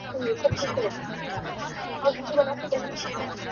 څلورم داستان د ماشوم دی